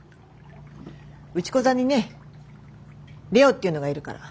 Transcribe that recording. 内子座にね怜央っていうのがいるから。